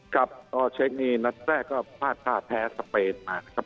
กับตอนเชคนี้นัดแรกก็พลาดภาพแพ้สเปนมาครับ